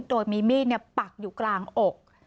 โดยมีมีดปักอยู่กลางอก